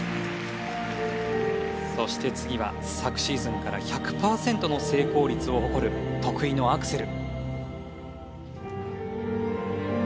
そして次は昨シーズンから１００パーセントの成功率を誇る得意のアクセル。